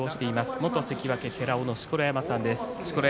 元関脇寺尾の錣山さんです。